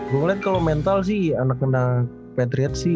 gue ngeliat kalau mental sih anak anak patriots